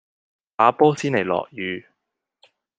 打波先嚟落雨